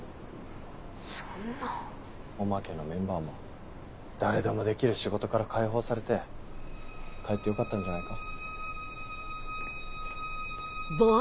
おまけのメンバーも誰でもできる仕事から解放されてかえってよかったんじゃないか。